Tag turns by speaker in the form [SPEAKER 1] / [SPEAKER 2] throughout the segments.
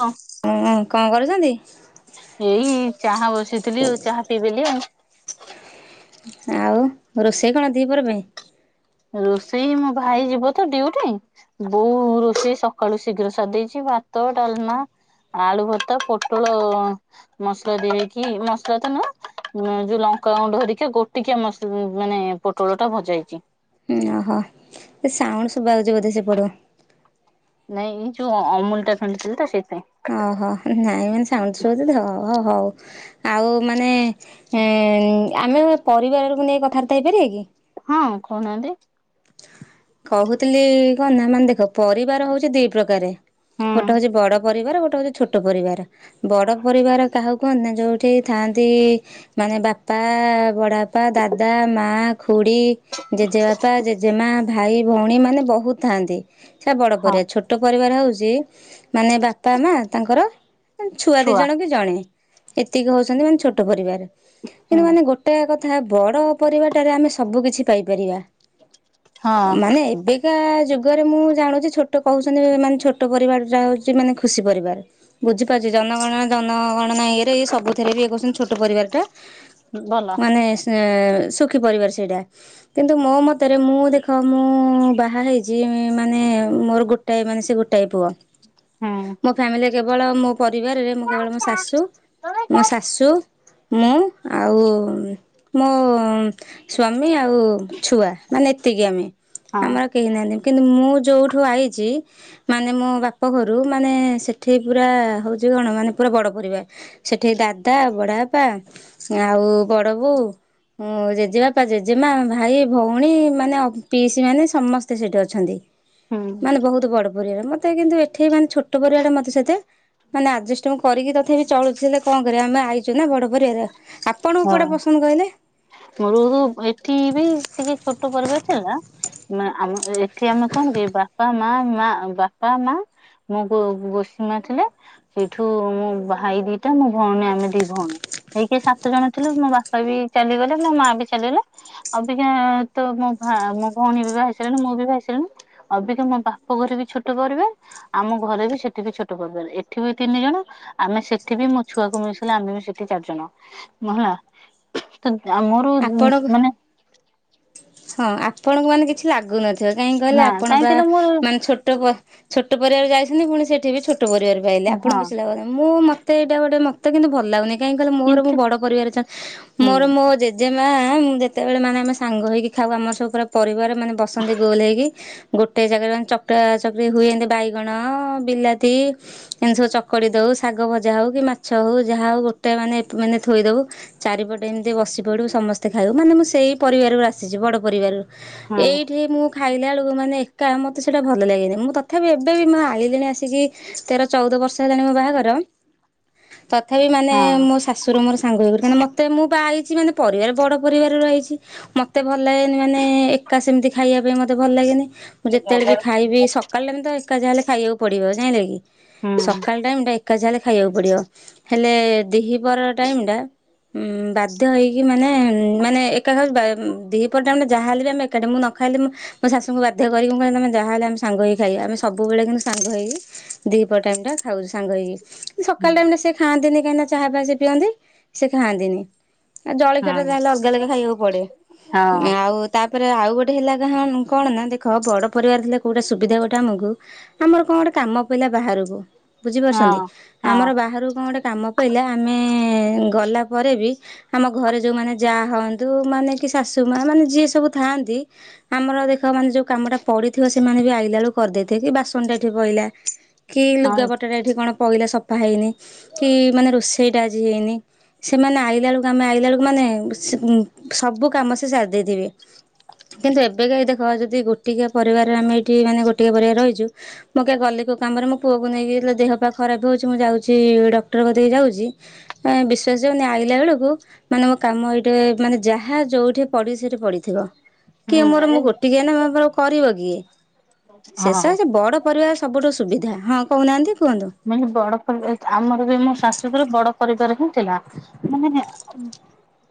[SPEAKER 1] ହଁ
[SPEAKER 2] ହଁ କଣ କରୁଛନ୍ତି?
[SPEAKER 1] ଏଇ ଚାହା ବସେଇଥିଲି ଆଉ ଚାହା ପିଇବେଲି ଆଉ।
[SPEAKER 2] ଆଉ ରୋଷେଇ କଣ ଦିପହର ପାଇଁ?
[SPEAKER 1] ରୋଷେଇ ମୋ ଭାଇ ଯିବ ତ ଡ୍ୟୁଟି ବୋଉ ରୋଷେଇ ସକାଳୁ ଶୀଘ୍ର ସାରିଦେଇଛି ଭାତ, ଡାଲମା ଆଳୁଭର୍ତା, ପୋଟଳ ମସଲା ଦେଇକି ମସଲା ତ ନୁହଁ ଯୋଉ ଲଙ୍କାଗୁଣ୍ଡ ଧରିକି ଗୋଟିକିଆ ମସ ମାନେ ପୋଟଳଟା ଭଜାଇଛି
[SPEAKER 2] ଓହୋ, ଏ ସାଉଣ୍ଡ ଶୁଭାଯାଉଛି ବୋଧେ ସେପଟୁ
[SPEAKER 1] ନାଇଁ ଏଇ ଯୋଉ ଅମୁଲୁଟା ଫେଣ୍ଡୁଥିଲି ତ ସେଥିପାଇଁ।
[SPEAKER 2] ଓହୋ ନାଇଁ ମାନେ ସାଉଣ୍ଡ [unintelligible] ତ ହଉ ଆଉ ମାନେ ଏ ଆମେ ପରିବାରକୁ ନେଇ କଥାବାର୍ତ୍ତା ହେଇପାରିବା କି?
[SPEAKER 1] ହଁ, କହୁନାହାନ୍ତି
[SPEAKER 2] କହୁଥିଲି କଣ ନା ମାନେ ଦେଖ ପରିବାର ହଉଛି ଦି ପ୍ରକାରେ
[SPEAKER 1] ହୁଁ
[SPEAKER 2] ଗୋଟେ ହଉଛି ବଡ ପରିବାର ଗୋଟେ ହଉଛି ଛୋଟ ପରିବାର। ବଡ ପରିବାର କାହାକୁ କୁହନ୍ତି ନା ଯୋଉଠିଥାନ୍ତି ମାନେ ବାପା, ବଡ ବାପା, ଦାଦା, ମା, ଖୁଡି, ଜେଜେବାପା, ଜେ ମା, ଭାଇଭଉଣୀ ମାନେ ବହୁତ୍ ଥାଆନ୍ତି ସେଟା ବଡ଼
[SPEAKER 1] ହଁ
[SPEAKER 2] ପରିବାର ଛୋ ଛୋଟ ପରିବାର ହଉଛି ମାନେ ବାପା ମା ତାଙ୍କର ମାନେ ଛୁଆ ଦି ଜଣ କି ଜଣେ ଏତିକି ହଉଛନ୍ତି ମାନେ ଛୋଟ ପରିବାର,
[SPEAKER 1] ହୁଁ
[SPEAKER 2] କିନ୍ତୁ ମାନେ ଗୋ ଗୋଟେ କଥା ବଡ ପରିବାରଟାରେ ଆମେ ସବୁ କିଛି ପାଇପାରିବା।
[SPEAKER 1] ହଁ
[SPEAKER 2] ମାନେ ଏବେ ଶିକା ଯୁଗରେ ମୁଁ ଜାଣୁଛି ଛୋଟ କହୁଛନ୍ତି ମାନେ ଛୋଟ ପରିବାରଟା ହଉଛି ମାନେ ଖୁସି ପରିବାର। ବୁଝିପାରୁଚି ଜନଗଣନା ଜନଗ ନା ଇରେ ସବୁଥିରେ ୟିଏ [unintelligible] ଛୋଟ ପରିବାର ଟା
[SPEAKER 1] ଭଲ
[SPEAKER 2] ମାନେ ଉଁ କିନ୍ତୁ ସୁଖୀ ପରିବାର ସେଇଟା କିନ୍ତୁ ମୋ ମତରେ ମୁଁ ଦେଖ ମୁଁ ବାହା ହେଇଚି ମାନେ ମୋର ଗୋଟାଏ ମାନେ ସେଇ ଗୋଟାଏ ପୁଅ
[SPEAKER 1] ହୁଁ ଉଁ
[SPEAKER 2] ମୋ ଫ୍ୟାମିଲିରେ କେବଳ ମୋ ପରିବାରରେ ମୁଁ କେବଳ ମୋ ଶାଶୁ ମୋ ଶାଶୁ ମୁଁ ଆଉ ମୋ ସ୍ଵାମୀ ଆଉ ଛୁଆ ମାନେ ଏ ଏତିକି ଆମେ
[SPEAKER 1] ହଁ
[SPEAKER 2] ଆମର କେହି ନାହାନ୍ତି କିନ୍ତୁ ମୁଁ ଯୋଉଠୁ ଆଇଚି ମାନେ ମୋ ବାପ ଘରୁ ମାନେ ସେଠି ପୁରା ହଉଚି କଣ ମାନେ ପୁରା ବଡ ପରିବାର ସେଠି ଦାଦା, ବଡାବାପା ଆଉ ବଡ ବୋଉ ଉଁ ଜେଜେବାପା, ଜେଜେମା, ଭାଇ ଭଉଣୀ ମାନେ ପିଇସି ମାନେ ସମସ୍ତେ ସେଠି ଅଛନ୍ତି
[SPEAKER 1] ହୁଁ
[SPEAKER 2] ମାନେ ବହୁତ ବଡ ପରିବାର ମତେ କିନ୍ତୁ ଏ ଠି ମାନେ ଛୋଟ ପରିବାର ଟା ମତେ ସେତେ ମାନେ ଆଡଜଷ୍ଟିଙ୍ଗ ମୁ କରିକି ତଥାପି ଚଳୁଚି ହେଲେ କଣ କରିବାିବ ଆମେ ଆଇଚୁ ନା ବଡ ପରିବାର ଆପଣଙ୍କୁ କୁଉଟା ପସନ୍ଦ କହିଲେ?
[SPEAKER 1] ମୋର ଏଠି ବି ଟିକେ ଛୋଟ ପରିବାର ଥିଲା ମ ଆମ ଏ ଏଠି ଆମେ କଣ କି ବାପା, ମା, ମା, ବାପା, ମା ମୁଁ କ ଗୋସେଇଁ ମା ଥିଲେ ସେଇଠୁ ମୋ ଭାଇ ଦିଟା ମୁଁ ଭଉଣୀ ଆମେ ଦି ଭଉଣୀ ହେଇକି ସାତ ଜଣ ଥିଲୁ ମୋ ବାପା ବି ଚାଲିଗଲେ ମୋ ମା ବି ଚାଲିଗଲେ ଅବିକା ତ ମୋ ମୋ ଭଉଣୀ ବି ବାହା ହେଇସାଇଲାଣି ମୁଁ ବି ବାହା ହେଇସାଇଲିନି ଅବିକା ମୋ ବାପ ଘରେ ବି ଛୋଟ ପରିବାର ଆମ ଘରେ ବି ସେଠି ବି ଛୋଟ ପରିବାର ଏଠି ବି ତିନି ଜଣ ଆମେ ସେଠି ବି ମୋ ଛୁଆକୁ ମିସେଇଲେ ଆମେ ବି ସେଠି ଚାରିଜଣ ହଁ ହେଲା ତ ମୋର
[SPEAKER 2] ଆପଣଙ୍କୁ
[SPEAKER 1] ମାନେ
[SPEAKER 2] ହଁ ଆପଣଙ୍କୁ ମାନେ କିଛି ଲାଗୁନଥିବ କାହିଁକି କହିଲେ
[SPEAKER 1] ନା
[SPEAKER 2] ଆପଣ
[SPEAKER 1] କାହିଁ
[SPEAKER 2] ବା
[SPEAKER 1] କହିଲ ମୋର
[SPEAKER 2] ମାନେ ଛୋଟ ପ ଛୋଟ ପରିବାରରେ ଯାଇଛନ୍ତି ପୁଣି ସେଇଠି ବି ଛୋଟ ପରିବାର ବି ପାଇଲେ ଆପଣଙ୍କୁ
[SPEAKER 1] ହଁ
[SPEAKER 2] କିଛି ଲାଗୁନହି ମୁଁ ମ ମତେ ଏଇଟା ଗୋଟେ ମତେ କିନ୍ତୁ ଭଲ ଲାଗୁନି କାହିଁ କହିଲ ମୋର ବ
[SPEAKER 1] କିନ୍ତୁ
[SPEAKER 2] ପରିବାର ଅଛନ୍ତି
[SPEAKER 1] ହୁଁ
[SPEAKER 2] ମୋର ମୋ ଯେ ଜେଜେ ମା ମୁଁ ଯେତେବେଳେ ମାନେ ଆମେ ସାଙ୍ଗ ହେଇକି ଖାଉ ଆମର ସବୁ ପୁରା ପରିବାର ମାନେ ବସନ୍ତି ଗୋଲ ହେଇକି ଗୋଟେ ଜାଗାରେ ମାନେ ଚକଟା ଚକଟୀ ହୁଏ ଏନ୍ତି ବାଇଗଣ ଅ ବିଲାତି ଏମିତି ସବୁ ଚକଡି ଦଉ ଶାଗ ଭଜା ହଉ କି ମାଛ ହଉ ଯାହା ହଉ ଗୋଟେ ମାନେ ମାନେ ଥୋଇଦବୁ ଚାରିପଟେ ଏମିତି ବସି ପଡ଼ୁ ସମସ୍ତେ ଖାଇବୁ ମାନେ ମୁଁ ସେଇ ପରିବାରରୁ ଆସିଚି ବଡ଼ ପରିବାରରୁ
[SPEAKER 1] ହଁ
[SPEAKER 2] ଏଇଠି ସେ ମୁଁ ଖାଇଲାବେେଳକୁ ମାନେ ଏକା ମୋତେ ସେଇଟା ଭଲ ଲାଗେନି ମୁଁ ତଥାପି ଏବେ ବି ମୋ ଆଇଲିଣି ଆସିକି ତେର ଚଉଦ ବର୍ଷ ହେଲାଣି ମୋ ବାହାଘର ତଥାପି ମାନେ
[SPEAKER 1] ହଁ
[SPEAKER 2] ମୋ ଶାଶୁର ମୋର ସାଙ୍ଗ ହୋଇ କରି ମୋତେ ମୁଁ ବା ଆଇଚି ମାନେ ପରିବାର ବଡ଼ ପରିବାର ଆଇଚି ମତେ ଭଲ ଲାଗେନି ମାନେ ଏକା ସେମିତି ଖାଇବା ପାଇଁ ମତେ ଭଲ ଲାଗେନି। ମୁଁ ଯେତେବେଳେ ବି ଖାଇବି ସକାଳ ଟାଇମ ତ ଏକା ଯାହା ହେଲେ ଖାଇବାକୁ ପଡିବ ଯାଇଁଲେ କି
[SPEAKER 1] ହୁଁ
[SPEAKER 2] ସକାଳ ଟା ଏକା ଯାହା ହେଲେ ଖାଇବାକୁ ପଡିବ ହେଲେ ଦିହି ପହର ଟାଇମ ଟା ଉଁ ବାଧ୍ୟ ହେଇକି ମାନେ ମାନେ ଏ ଏକା ଖାଉଚି ବା ଦିପହରେ ଟାଇମ ଟା ଯାହା ହେଲେ ବି ଆମେ ଏକାଠେ ମୁଁ ନ ଖାଇଲେ ମ ମୋ ଶାଶୁଙ୍କୁ ବାଧ୍ୟ କରିବି ମୁଁ କହିଲି ଯାହା ହେଲେ ଆମ ସାଙ୍ଗ ହେଇ ଖାଇ ଆମେ ସବୁବେଳେ କିନ୍ତୁ ସାଙ୍ଗ ହେଇକି ଦିପହର ଟାଇମ ଟା ଖାଉ ସାଙ୍ଗ ହେଇକି।
[SPEAKER 1] ହୁଁ
[SPEAKER 2] ସକାଳ ଟାଇମରେ ସେ ଖାଆନ୍ତିନି କାହିଁକି ଚାହା ଫା ସେ ପିଅନ୍ତି ସେ ଖାଆନ୍ତିନି। ଆ ଜଳଖିଟା
[SPEAKER 1] ହଁ
[SPEAKER 2] ଯାହେଲେ ଅଲଗା ଅଲଗା ଖାଇବାକୁ ପଡେ
[SPEAKER 1] ହଁ
[SPEAKER 2] ଆଁ ଆଉ ତାପରେ ଆଉ ଗୋଟେ ହେଲା କା କଣ ନା ଦେଖ ବଡ ପରିବାର ଥିଲେ କୋଉଟା ସୁବିଧା ଗୋଟେ ଆମକୁ ଆମର କଣ ଗୋଟେ କାମ ପଇଲା ବାହାରକୁ
[SPEAKER 1] ହଁ
[SPEAKER 2] ବୁଝିପାରୁଛନ୍ତି ଆମର ବାହାରକୁ କଣ ଗୋଟେ କାମ [unintelligible] ଆମେ ଗଲା ପରେ ବି ଆମ ଘରେ ଯୋଉମାନେ ଜା ହଅନ୍ ନ୍ତୁ ମାନେ କି ଶାଶୁ ମା ମାନେ ଯିଏ ସବୁ ଥାଆନ୍ତି ଆମର ଦେଖ ମାନେ ଯୋଉ କାମଟା ପଡିଥିବ ସେମାନେ ବି ଆଇଲା ବେଳୁକୁ କରିଦେଇଥିବେ କି ବାସନ ଟା ଏଠି ପଇଲା କି
[SPEAKER 1] ହଁ ହଁ
[SPEAKER 2] ଲୁଗାପଟାଟା ଏଠି କଣ ପଇଲା ସଫା ହେଇନି କି ମାନେ ରୋଷେଇଟା ଆଜି ହେଇନି ସେମାନେ ଆଇଲା ବେଳୁକୁ ଆମେ ଆଇଲା ବେଳୁକୁ ମାନେ [unintelligible] ସବୁ କାମ ସେ ସାରି ଦେଇଥିବେ। କିନ୍ତୁ ଏବେକା ଏଇ ଦେଖ ଯଦି ଗୋଟିିକିଆ ପରିବାରରେ ଆମେ ଏଇଠି ମାନେ ଗୋଟିକିଆ ପରିବାରରେ ରହିଚୁ ମୁଁ କେ ଗଲି କୋଉ କାମରେ ମୋ ପୁଅକୁ ନେଇକି ଯେତେଳେ ଦେହ ପା ଖରାପେ ହଉଚି ମୁଁ ଯାଉଚି ଡକ୍ଟର କତିକି ଯାଉଚି [unintelligible] ବିଶ୍ଵାସ ଯାଉନି ଆଇଲା ବେଳୁକୁ ମାନେ ମୋ କାମ ଏଇଟେ ମାନେ ଯାହା ଯୋଉଠି ପଡିଚି ସେଇଠି ପଡି ଥିବ, କିଏ ମୋର
[SPEAKER 1] ହୁଁ
[SPEAKER 2] ମୁ ଗୋଟିକିଆ ନା [unintelligible] କରିବ କିଏ ସେଇ
[SPEAKER 1] ହଁ
[SPEAKER 2] ସକାସେ ବଡ଼ ପରିବାର ସବୁଠୁ ସୁବିଧା, ହଁ କହୁନାହାନ୍ତି କୁହନ୍ତୁ।
[SPEAKER 1] [unintelligible] ଆମର ବି ମୋ ଶାଶୁଘର ବଡ ପରିବାର ହିଁ ଥିଲା, ମାନେ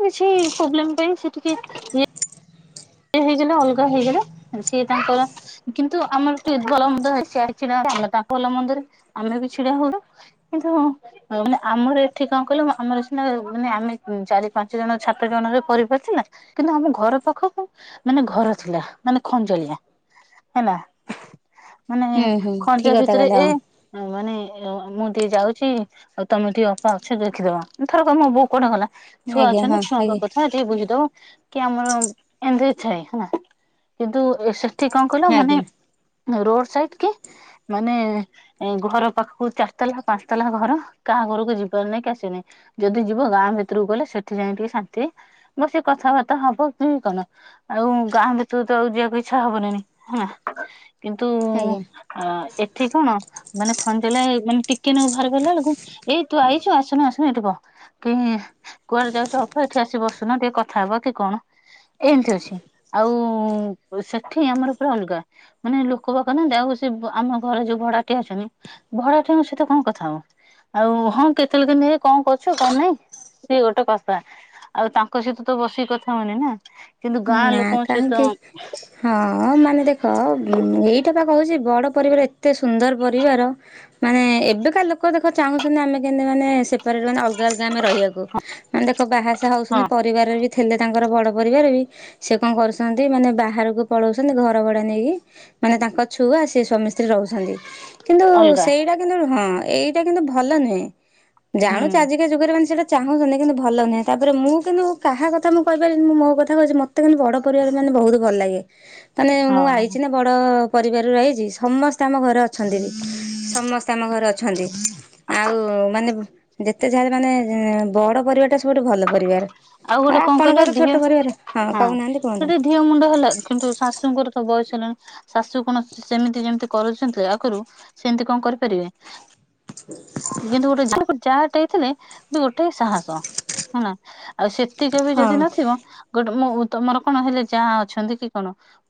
[SPEAKER 1] କିଛି ପୋବ୍ଲେମ୍ ପାଇଁ ସେ ଟିକେ [unintelligible] ସିଏ ହେଇଗଲେ ଅଲଗା ହେଇଗଲା, ସିଏ ତାଙ୍କର କିନ୍ତୁ ଆମର [unintelligible] ଭଲ ମନ୍ଦ ହେଲେ ସିଏ ଆସି ଛିଡା [unintelligible] ଆମେ ତାଙ୍କ ଭଲ ମନ୍ଦରେ ଆମେ ବି ଛିଡା ହଉ। ହେଇଥିବ ଆଉ। ଆଉ ମାନେ ଆମର ଏଠି କଣ କିଇଲୁ ଆମର ସିନା ମାନେ ଆମେ ଚାରି ପାଞ୍ଚ ଜଣ ସାତ ଜଣରେ କରିପାରୁୁଥିଲୁ ନା। କିନ୍ତୁ ଆମ ଘର ପାଖକୁ ମାନେ ଘର ଥିଲା ମାନେ ଖଞ୍ଜଳିଆ ହେଲା। ମାନେ
[SPEAKER 2] ହୁଁ ହୁଁ
[SPEAKER 1] ଖଞ୍ଜା
[SPEAKER 2] ଠିକ କଥା
[SPEAKER 1] ଭିତେରେ
[SPEAKER 2] କହିଲେ
[SPEAKER 1] ଏ
[SPEAKER 2] ହଁ
[SPEAKER 1] ମାନେ ମୁଁ ଟିକେ ଯାଉଚି ଆଉ ତମେ ଟିକେ ଅପା ଅଛ ଦେଖିଦବ ଥରକ ମୋ ବୋଉ କୁଆଡେ ଗଲା, ଛୁଆ
[SPEAKER 2] ଆଜ୍ଞା
[SPEAKER 1] ଅଛନ୍ତି
[SPEAKER 2] ହଁ
[SPEAKER 1] ଛୁଆଙ୍କ
[SPEAKER 2] ଆଜ୍ଞା
[SPEAKER 1] କ ଥା ଟିକେ ବୁଝିଦବ, କି ଆମର ଏନ୍ତି ଥାଏ ହେଲା କିନ୍ତୁ [unintelligible] ଏଠି କଣ କହିଲ ମାନେ
[SPEAKER 2] ଆଜ୍ଞା
[SPEAKER 1] ରୋଡ୍ ସାଇଟ୍ କି ମାନେ ଘର ପାଖୁକୁ ଚାରି ତାଲା ପାଞ୍ଚ ତାଲା ଘର କାହା ଘରୁକୁ ଯିବାର ନାହିଁ କି ଆସିବାର ନାହିଁ। ଯଦି ଯିବ ଗାଁ ଭିତୁରୁକୁ ଗଲେ ସେଠି ଯାଇଁ ଟିକେ ଶାନ୍ତି, ବସି କଥାବାର୍ତ୍ତା ହବ କି [unintelligible] ଆଉ ଗାଁ ଭିତୁରୁ ତ ଆଉ ଯିବାକୁ ଇଚ୍ଛା ହବନିନି ହେନା, କିନ୍ତୁ
[SPEAKER 2] ଆଜ୍ଞା।
[SPEAKER 1] ଅ ଏଠି କଣ ମାନେ [unintelligible] ମାନେ ଟିକେ [unintelligible] ଭାର୍ କଲା ବେଳୁକୁ ଏଇ ତୁ ଆଇଚୁ ଆସୁନୁ ଆସୁ [unintelligible] କି କୁଆଡେ ଯାଉଚ [unintelligible] ଏଇଠି ଆସି ବସୁନ ଟିକେ କଥା ହବ କି କଣ ଏନ୍ତି ଅଛି, ଆଉ ସେଠି ଆମର ପୁରା ଅଲଗା। ମାନେ ଲୋକ ବାକ ନାହାନ୍ତି, ଆଉ ସେ ଆମ ଘରେ ଯୋଉ ଭଡାଟିଆ ଅଛନ୍ତି ଭଡ଼ାଟିଆ ଙ୍କ ସହିତ କଣ କଥା ହବ। ଆଉ ହଁ କେତେବେଳେ କେନ୍ତି କଣ କରୁଚୁ କଣ ନାଇଁ ସିଏ ଗୋଟେ କଥା। ଆଉ ତାଙ୍କ ସହିତ ତ ବସିକି କଥା ହଉନି ନା କିନ୍ତୁ ଗାଁ
[SPEAKER 2] ନା
[SPEAKER 1] ଲୋକଙ୍କ
[SPEAKER 2] କାହିଁକି
[SPEAKER 1] ସହିତ
[SPEAKER 2] ହଁ ମାନେ ଦେଖ ଏଇଟା ବା କହୁଚି ବଡ ପରିବାର, ଏ ଏତେ ସୁନ୍ଦର୍ ପରିବାର, ମାନେ ଏବେକା ଲୋକ ଦେଖ ଚାହୁଁଚନ୍ତି ଆମେ କେନ୍ତି ମାନେ ସେପାରେଟ୍ ମାନେ ଅଲଗା ଅଲଗା ଆମେ ରହିଆକୁ, ମାନେ ଦେଖ ବାହାସା
[SPEAKER 1] ହଁ
[SPEAKER 2] ହଉଛନ୍ତି ପରିବାରରେ ବି ଥେଲେ ତାଙ୍କର ବଡ ପରିବାର ବି ସେ କଣ କରୁଛନ୍ତି ମାନେ ବାହାରକୁ ପଳଉଛନ୍ତି ଘର ଭଡା ନେଇକି ମାନେ ତାଙ୍କ ଛୁଆ ସିଏ ସ୍ୱାମୀ ସ୍ତ୍ରୀ ରହୁଛନ୍ତି। କିନ୍ତୁ
[SPEAKER 1] ଅଲଗା
[SPEAKER 2] ସେଇଟା କିନ୍ତୁ ହଁ ଏଇଟା କିନ୍ତୁ ଭଲ ନୁହେଁ,
[SPEAKER 1] ହୁଁ
[SPEAKER 2] ଜାଣୁଚେ ଆଜି ଯୁଗରେ ମାନେ ସେଟା ଚାହୁଁଚନ୍ତି କିନ୍ତୁ ଭଲ ନୁହେଁ, ତାପରେ ମୁଁ କିନ୍ତୁ କାହା କଥା ମୁଁ କହିପାରିବିନି ମୁଁ ମୋ କଥା କହୁଚି ମ ମତେ କିନ୍ତୁ ବଡ ପରିବାର ମାନେ ବହୁତୁ ଭଲ୍ ଲାଗେ, ମାନେ ମୁଁ ଆଇଚି
[SPEAKER 1] ହଁ
[SPEAKER 2] ନା ବଡ ପରିବାରରୁ ଆଇଚି, ସମସ୍ତେ ଆମ ଘରେ ଅଛନ୍ତି ବି ସମସ୍ତେ ଆମ ଘରେ ଅଛନ୍ତି। ଆଉ ମାନେ ଯେତେ ଯାହାଲେ ମାନେ ବଡ ପରିବାରଟା ସବୁଠୁ ଭଲ ପରିବାର, ଆଉ
[SPEAKER 1] ଗୋଟେ କଣ କହିଲ
[SPEAKER 2] ଆପଣଙ୍କର ତ ଛୋଟ
[SPEAKER 1] ଧିଅ
[SPEAKER 2] ପରିବାର।
[SPEAKER 1] ହଁ
[SPEAKER 2] କହୁନାହାନ୍ତି କୁହନ୍ତୁ
[SPEAKER 1] ସେଠି ଦିହ ମୁଣ୍ଡ ହେଲେ କିନ୍ତୁ ଶାଶୁଙ୍କର ତ ବୟସ ହେଲାଣି। ଶାଶୁ କଣ ସେମିତି ଯେମିତି କରୁଚନ୍ତି ଆଗରୁ ସେମିତି କଣ କରିପାରିବେ? କିନ୍ତୁ ଗୋଟେ ଯାଆଟେ ହେଇଥିଲେ କିନ୍ତୁ ଗୋଟେ ସାହସ। ହେଲା। ଆଉ ସେତିକି ବି
[SPEAKER 2] ହଁ।
[SPEAKER 1] ଯଦି ନଥିବ। ଗୋଟେ ମୁଁ ତମର କଣ ହେଲେ ଯାଆ ଅଛନ୍ତି କି କଣ?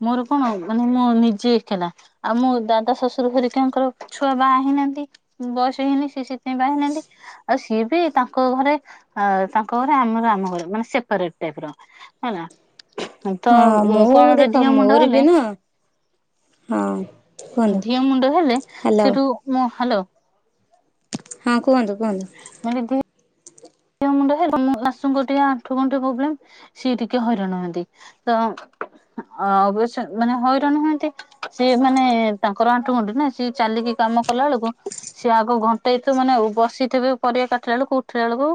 [SPEAKER 1] ମୋର କଣ ମାନେ ମୋ ନିଜେ ଏକେଲା। ଆଉ ମୋ ଦାଦା ଶ୍ୱଶୁର ଘରିକାଙ୍କର ଛୁଆ ବାହା ହେଇନାହାନ୍ତି। ବୟସ ହେଇନି ସିଏ ସେଥିପାଇଁ ବାହା ହେଇନାହାନ୍ତି। ଆଉ ସିଏ ବି ତାଙ୍କ ଘରେ ଅ ତା କରେ ଆମର ଆମ ଘରେ ମାନେ ସେପାରେଟ୍ ଟାଇପ୍ ର ହେଲା। ମୁଁ ତ
[SPEAKER 2] ହଁ ମୁଁ
[SPEAKER 1] କଣ ଗୋଟେ
[SPEAKER 2] ଦେଖ
[SPEAKER 1] ଦିହ ମୁଣ୍ଡ
[SPEAKER 2] ମୋର ବି
[SPEAKER 1] ହେଲେ
[SPEAKER 2] ନା ହଁ କୁହନ୍ତୁ।
[SPEAKER 1] ଦିହ ମୁଣ୍ଡ ହେଲେ
[SPEAKER 2] ହ୍ୟାଲୋ
[SPEAKER 1] ସେଠୁ ମୁଁ ହାଲୋ।
[SPEAKER 2] ହଁ କୁହନ୍ତୁ କୁହନ୍ତୁ।
[SPEAKER 1] ମାନେ ଦେ ଦିହ ମୁଣ୍ଡ ହେଲେ ମୋ ଶାଶୁଙ୍କର ଟିକିଏ ଆଣ୍ଠୁ ଗଣ୍ଠି ପ୍ରୋବ୍ଲେମ ସିଏ ଟିକିଏ ହଇରାଣହୁଅନ୍ତି। ତ ଅବଶ୍ୟ ମାନେ ହଇରାଣ ହୁଅନ୍ତି। ସିଏ ମାନେ ତାଙ୍କର ଆଣ୍ଠୁ ଗଣ୍ଠି ନା ସିଏ ଚାଲିକି କାମ କଲା ବେଳକୁ ସିଏ ଆଗ ଘଣ୍ଟେଇଥିବ ମାନେ ବସିଥିବେ ପରିବା କାଟିଲା ବେଳକୁ ଉଠିଲା ବେଳକୁ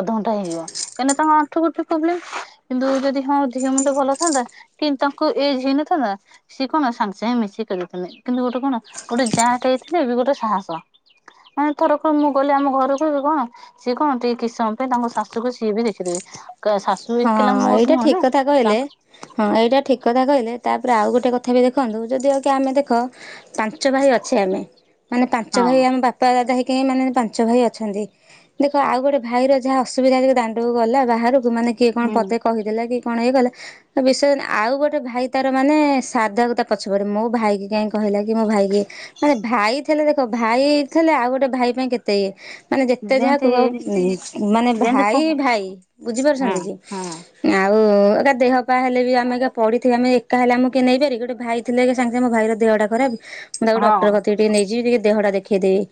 [SPEAKER 1] ଅଧଘଣ୍ଟେ ହେଇଯିବ। କାହିଁକି ତାଙ୍କ ଆଣ୍ଠୁଗଣ୍ଠି ପ୍ରୋବ୍ଲେମ। କିନ୍ତୁ ଯଦି ହଁ ଦିହ ମୁଣ୍ଡି ଭଲ ଥାଆନ୍ତା। କିନ୍ତୁ ତାଙ୍କୁ ଏଜ୍ ହେଇନଥାନ୍ତା। ସିଏ କଣ ସାଙ୍ଗେ ସାଙ୍ଗେ ମିଶି କରିଦେଇଥିଲେ। କିନ୍ତୁ ଗୋଟେ କଣ ଗୋଟେ ଯାଆଟେ ହେଇଥିଲେ ଏବେ ଗୋଟେ ସାହସ। ମାନେ ଏଥର ମୁଁ ଗଲେ ଆମ ଘରକୁ ବ କଣ ସିଏ କହନ୍ତି। କିଛି ସମୟ ପାଇଁ ତାଙ୍କ ଶାଶୁକୁ ସିଏ ବି ଦେଖିଦେବେ। ଶାଶୁ
[SPEAKER 2] ହଁ
[SPEAKER 1] ହେଇଥିଲା
[SPEAKER 2] ଏଇଟା
[SPEAKER 1] ମୋର ନୁହଁ
[SPEAKER 2] ଠିକ
[SPEAKER 1] ନା
[SPEAKER 2] କଥା କହିଲେ।
[SPEAKER 1] ତା
[SPEAKER 2] ହଁ ଏଇଟା ଠିକ୍ କଥା କହିଲେ ତାପରେ ଆଉ ଗୋଟେ କଥା ବି ଦେଖନ୍ତୁ। ଯଦି ଆଉ କି ଆମେ ଦେଖ ପାଞ୍ଚ ଭାଇ ଅଛେ ଆମେ। ମାନେ ପାଞ୍ଚ ଭାଇ
[SPEAKER 1] ହଁ
[SPEAKER 2] ଆମେ ବା ବାପା ଦାଦା ହେଇକି ଏମାନେ ପାଞ୍ଚ ଭାଇ ଅଛନ୍ତି। ଦେଖ ଆଉ ଗୋଟେ ଭାଇର ଯାହା ଅସୁବିଧା ଥିବ ଦାଣ୍ଡକୁ ଗଲା ବାହାରକୁ ମାନେ କିଏ କଣ
[SPEAKER 1] ହୁଁ
[SPEAKER 2] ପଦେ କହିଦେଲାକି କଣ ଇଏକଲା। ତାବିଷୟରେ ଆଉ ଗୋଟେ ଭାଇ ତାର ମାନେ ସାଦାକୁ ତାପଛ ପରେ। ମୋ ଭାଇ କି କାହିଁକି କହିଲା କି। ମୋ ଭାଇ କି ମାନେ ଭାଇ ଥିଲେ ଦେଖ ଭାଇ ଥିଲେ ଆଉ ଗୋଟେ ଭାଇ ପାଇଁ କେତେଇଏ। ମାନେ ଯେତେ ଯାହା
[SPEAKER 1] ଯେମତି
[SPEAKER 2] କୁହ ମାନେ ଭାଇ ଭାଇ। ବୁଝିପାରୁଚନ୍ତି କି?
[SPEAKER 1] ହଁ।
[SPEAKER 2] ଆଉ ଏକା ଦେହ ପାା ହେଲେ ବି ଆମେ ଏକା ପଡିଥିବା ଆମେ ଏକା ହେଲେ ଆମକୁକିଏ ନେଇ ପାରି ବ କି ଗୋଟେ ଭାଇ ଥିଲେ ସାଙ୍ଗେ ସାଙ୍ଗେ ମୋ ଭାଇର ଦେହଟା ଖରାପ ମୁଁ ତାକୁ ଡକ୍ଟର
[SPEAKER 1] ହଁ
[SPEAKER 2] କତିକ ଟିକିଏ ନେଇଯିବିି ଟିକିଏ ଦେହଟା ଦେଖେଇଦେବି।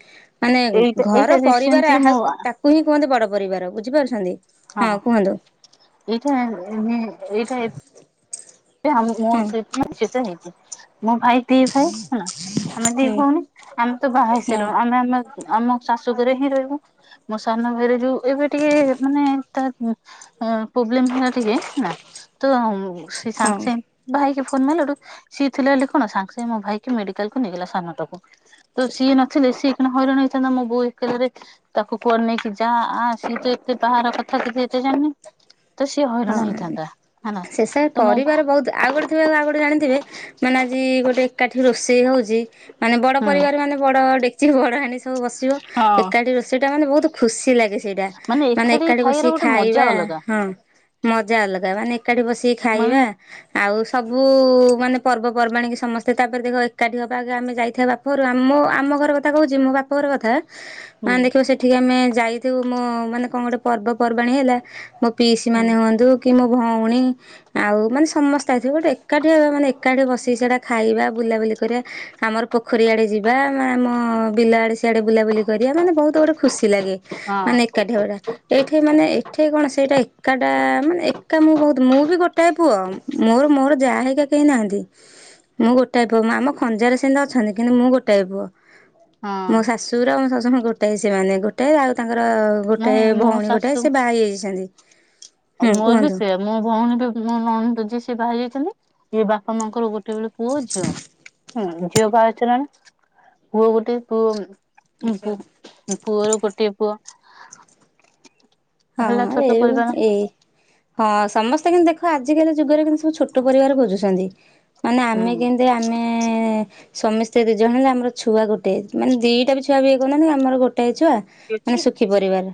[SPEAKER 2] ମାନେ
[SPEAKER 1] ଏଇଟା ଏଇଟା
[SPEAKER 2] ଘର ପରିବାର
[SPEAKER 1] ରିସେଣ୍ଟଲି
[SPEAKER 2] ଆହା
[SPEAKER 1] ମୁଁ
[SPEAKER 2] ତାକୁ ହିଁ କୁହନ୍ତି ବଡ ପରିବାର। ବୁଝିପାରୁଛନ୍ତି?
[SPEAKER 1] ହଁ ଏଇଟା ଏ ଏନେ ଏଇଟା
[SPEAKER 2] [inaudible]
[SPEAKER 1] ସେ ଆମକୁ ମୋ
[SPEAKER 2] ହଁ
[SPEAKER 1] ସେଠି ଯେତେ ନେଇଯିବୁ। ମୋ ଭାଇ ଦି ଭାଇ ଆମେ ଦି
[SPEAKER 2] ହଁ
[SPEAKER 1] ଭଉଣୀ ଆମେ ତ ବାହା
[SPEAKER 2] ହଁ
[SPEAKER 1] ହେଇସାଇଲୁଣି ଆମେ ଆମେ ଆମ ଶାଶୁଘରେ ହିଁ ରହିବୁ। ମୋ ସାନ ଭାଇର ଯୋଉ ଏବେ ଟିକିଏ ମାନେ ତା ପୋବ୍ଲେମ୍ ହେଲା ଟିକିଏ ତ ସେ
[SPEAKER 2] ହଁ।
[SPEAKER 1] ସାଙ୍ଗେ ସାଙ୍ଗେ ଭାଇକି ଫୋନ ମାଇଲାଠୁ ସିଏ ଥିଲା ହେଲେ କଣ ସାଙ୍ଗେ ସାଙ୍ଗେ ମୋ ଭାଇକି ମେଡିକାଲ କୁ ନେଇଗଲା ସାନଟାକୁ। ତ ସିଏ ନଥିଲେ ସିଏ ଏଇଖଣି ହଇରାଣ ହେଇଥାନ୍ତା। ମୋ ବୋଉ ଏକେଲାରେ। ତାକୁ କୁଆଡ଼େ ନେଇକି ଯା ଆ ସିଏ ତ ଏତେ ବାହାର କଥା କିଛି ଏତେ ଜାଣିନି। ତ ସିଏ ହଇରାଣ
[SPEAKER 2] ହଁ
[SPEAKER 1] ହେଇଥାନ୍ତା ହେନା।
[SPEAKER 2] ଶେଷରେ ପରିବାର ବହୁତ୍ ଆଉ ଗୋଟେ ଥିବେ ଆଉ ଗୋଟେ ଜାଣିଥିବେ। ମାନେ ଆଜି ଗୋଟେ ଏକାଠି ରୋଷେଇ ହୋଉଚି। ମାନେ ବଡ
[SPEAKER 1] ହୁଁ
[SPEAKER 2] ପରିବାର ମାନେ ବଡ ଡେକଚି ବଡ ହାଣ୍ଡି ସବୁ ବସିବ।
[SPEAKER 1] ହଁ।
[SPEAKER 2] ଏକାଠି ରୋଷେଇ ଟା ମାନେ ବହୁତ୍। ଖୁସି ଲାଗେ ସେଇଟା ମାନେ ଏକାଠି
[SPEAKER 1] ଖାଇବାର
[SPEAKER 2] ବସିକି
[SPEAKER 1] ଗୋଟେ ମଜା
[SPEAKER 2] ଖାଇବା।
[SPEAKER 1] ଅଲଗା
[SPEAKER 2] ହଁ। ମଜା ଅଲଗା, ମାନେ ଏକାଠି ବସିକି
[SPEAKER 1] ମାନେ
[SPEAKER 2] ଖାଇବା। ଆଉ ସବୁ ମାନେ ପର୍ବପର୍ବାଣୀ କି ସମସ୍ତେ ତାପରେ ଦେଖବ ଏକାଠି ହବା ଆଗ ଆମେ ଯାଇଥାଥିବା ବାପ। ଘରୁ ଆମ ଆମ ଘର କଥା କହୁଛି ମୋ ବାପା ଘର କଥା।
[SPEAKER 1] ହୁଁ।
[SPEAKER 2] ମାନେ ଦେଖିବ ସେଠିକି ଆମେ ଯାଇଥିବୁ ମୋ ମାନେ କଣ ଗୋଟେ ପର୍ବପର୍ବାଣୀ ହେଲା ମୋ ପିଇସି।
[SPEAKER 1] ହୁଁ।
[SPEAKER 2] ମାନେ ହୁଅନ୍ତୁ କି ମୋ ଭଉଣୀ। ଆଉ ମାନେ ସମସ୍ତେ ଆସିଥିବେ ଗୋଟେ ଏକାଠି ହେବା ମାନେ ଏକାଠି ବସିକି ସେଇଟା ଖାଇବା, ବୁଲାବୁଲି କରିବା। ଆମର ପୋଖରୀ ଆଡେ ଯିବା ଆମ ବିଲ ଆଡେ ସିଆଡେ ବୁଲାବୁଲି କରିବା ମାନେ ବହୁତ ଗୁଡେ। ଖୁସି ଲାଗେ
[SPEAKER 1] ହଁ
[SPEAKER 2] ମାନେ ଏକାଠି ହେବାଟା ଏଇଠି ମାନେ ଏଠି କଣ ସେଇଟା। ଏକାଟା ମାନେ ଏକା ମୁଁ ବହୁତ ମୁଁ ବି ଗୋଟାଏ ପୁଅ ମୋର ମୋର ଯାଆ ହେରିକା କେହି ନାହାନ୍ତି। ମୁଁ ଗୋଟାଏ ପୁଅ ଆମ ଖଞ୍ଜାରେ ସେମିତି ଅଛନ୍ତି କିନ୍ତୁ ମୁଁ ଗୋଟାଏ ପୁଅ।
[SPEAKER 1] ହଁ
[SPEAKER 2] ମୋ ଶାଶୁର ଆଉ ଶାଶୁ ଗୋଟେଏ ସେମାନେ ଗୋଟେ ଆଉ ତାଙ୍କର। ଗୋଟଏ
[SPEAKER 1] ନାଇଁ ମୋ
[SPEAKER 2] ଭଉଣୀ
[SPEAKER 1] ଶାଶୁ
[SPEAKER 2] ଗୋଟାଏ ସେ ବାହା ଯାଇଛନ୍ତି।
[SPEAKER 1] ମୋର ବି ସିଏ ମୋ ଭଉଣୀ ବି ମୋ ନଣନ୍ଦ ଯିଏ ସିଏ ବାହା ଯାଇଛନ୍ତି ଯିଏ ବାପା ମାଙ୍କର ଗୋଟେ। ଗୋଟେବେଲି ପୁଅଝିଅ, ଝିଅ ବାହା ହୋଇସାରିଲେଣି। ପୁଅ ଗୋଟେ ପୁଅର ଗୋଟେଏ ପୁଅ।
[SPEAKER 2] ହଁ
[SPEAKER 1] ହେଲା ଛୋଟ
[SPEAKER 2] ଏଇ
[SPEAKER 1] ପରିବାର
[SPEAKER 2] ଏଇ। ହଁ ସମସ୍ତେ କିନ୍ତୁ ଦେଖ ଆଜିକାଲି ଯୁଗରେ କିନ୍ତୁ ସବୁ ଛୋଟ ପରିବାର ଖୋଜୁଛନ୍ତି। ମାନେ
[SPEAKER 1] ହୁଁ।
[SPEAKER 2] ଆମେ କେମିତି ଆମେ। ସମସ୍ତେ ଦୁ ଜଣ ହେଲେ ଆମର ଛୁଆ ଗୋଟେ ମାନେ ଦିଟା ବି ଛୁଆ ବି କରୁନାହାନ୍ତି ଆମର ଗୋଟାଏ ଛୁଆ। ମାନେ ସୁଖୀ ପରିବାର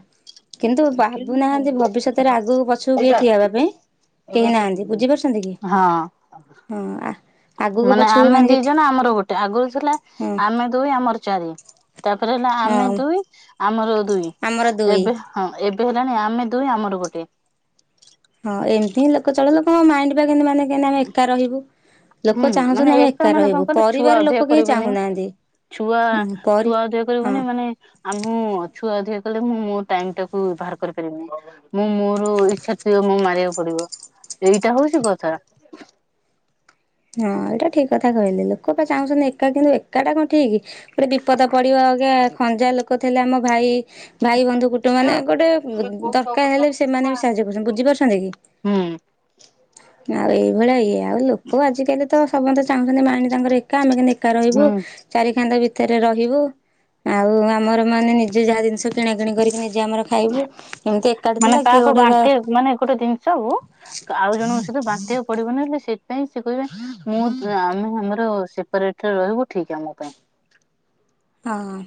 [SPEAKER 2] କିନ୍ତୁ, ଭାବୁନାହାନ୍ତି ଭବିଷ୍ୟତରେ ଆଗକୁ ପଛକୁ କେହି ଠିଆ ହେବା ପାଇଁ। କେହି ନାହାନ୍ତି ବୁଝିପାରୁଛନ୍ତି କି
[SPEAKER 1] ହଁ
[SPEAKER 2] ହଁ। ଆଗକୁ
[SPEAKER 1] ମାନେ
[SPEAKER 2] ପଛକୁ
[SPEAKER 1] ଆମେ ଦି
[SPEAKER 2] କି
[SPEAKER 1] ଜଣ ଆମର ଗୋଟେ ଆଗରୁ ଥିଲା
[SPEAKER 2] ହଁ
[SPEAKER 1] ଆମେ ଦୁଇ ଆମର ଚାରି ତାପରେ ହେଲା ଆମେ
[SPEAKER 2] ହଁ
[SPEAKER 1] ଦୁଇ ଆମର ଦୁଇ
[SPEAKER 2] ଆମର ଦୁଇ
[SPEAKER 1] ଏବେ। ହଁ ଏବେ ହେଲାଣି ଆମେ ଦୁଇ ଆମର ଗୋଟେ।
[SPEAKER 2] ହଁ ଏମିତି ହିଁ ଲୋକ ଚଳ ଲୋକଙ୍କ ମନ ପା କେମିତି ମାନେ କେମତି ଆମେ ଏକା ରହିବୁ।
[SPEAKER 1] ହୁଁ
[SPEAKER 2] ଲୋକ
[SPEAKER 1] ମାନେ
[SPEAKER 2] ଚାହୁଁଛନ୍ତିଛନ୍ତି ଆମେ ଏକା
[SPEAKER 1] ମାନେ କଣ
[SPEAKER 2] ରହିବୁ,
[SPEAKER 1] କହିଲ ଛୁଆ
[SPEAKER 2] ପରିବାର
[SPEAKER 1] ଅଧିକା
[SPEAKER 2] ଲୋକ କେହି
[SPEAKER 1] କରିବେନି
[SPEAKER 2] ଚାହୁଁନାହାନ୍ତି।
[SPEAKER 1] ଛୁଆ
[SPEAKER 2] ହୁଁ ପରି
[SPEAKER 1] ଛୁଆ ଅଧିକ
[SPEAKER 2] ହଁ
[SPEAKER 1] କରିବୁନି ମାନେ। ଆଉ ମୁଁ ଛୁଆ ଅଧିକା କଲେ, ମୁଁ ମୋ ସମୟ ଟାକୁ ବାହାର କରିପାରିନି। ମୁଁ ମୋର ଇଛା ଥିବ ମୁଁ ମାରିବାକୁ ପଡିବ ଏଇଟା ହଉଛି କଥା।
[SPEAKER 2] ହଁ ଏଇଟା ଠିକ କଥା କହିଲେ ଲୋକ ବା ଚାହୁଁଛନ୍ତି ଏକା କିନ୍ତୁ ଏକାଟା କିନ୍ତୁ, ଠିକ କି ଗୋଟେ ବିପଦ ପଡିବ ଆଜ୍ଞା, ଖଞ୍ଜା ଲୋକ ଥିଲେ ଆମ ଭାଇ ଭାଇ ବନ୍ଧୁ ଗୋଟେ ମାନେ ଗୋଟେ ଦରକାର ହେଲେ ସେମାନେ ବି ସାହାଯ୍ୟ କରୁଛନ୍ତି ବୁଝି ପାରୁଛନ୍ତି କି।
[SPEAKER 1] ହୁଁ
[SPEAKER 2] ଆଉ ଏଇଭଳିଆ ଇଏ ଆଉ ଲୋକ ଆଜିକାଲି। ତ ସବୁ ତ ଚାହୁଁଛନ୍ତି ମନ ତାଙ୍କର ଏକା, ଆମେ କେତି ଏକା ରହିବୁ
[SPEAKER 1] ହୁଁ।
[SPEAKER 2] ଚାରିକାନ୍ଥ ଭିତରେ ରହିବୁ। ଆଉ ଆମର ମାନେ ନିଜେ ଯାହା ଜିନିଷ କିଣା କିିଣି କରିକି ନିଜେ ଆମର। ଖାଇବୁ। ଏମିତି ଏକାଠି
[SPEAKER 1] ମାନେ
[SPEAKER 2] ଥିଲା କିଏ
[SPEAKER 1] କାହାକୁ
[SPEAKER 2] ଗୋଟେ
[SPEAKER 1] ବାଣ୍ଟିକୁ ମାନେ ଗୋଟେ ଜିନିଷ କୁ ଆଉ ଜଣଙ୍କ ସହିତ ବାଣ୍ଟିବାକୁ ପଡିବନିବୋଲି ସେଥିପାଇଁ ସେ କହିବେ ମୁଁ ଆମେ ଆମର ଅଲଗା ରହିବୁ ଠିକ ଆମ ପାଇଁ।
[SPEAKER 2] ହଁ,